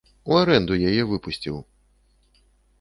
У арэнду яе выпусціў.